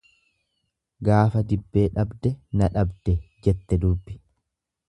"""Gaafa dibbee dhabde na dhabde""jette durbi."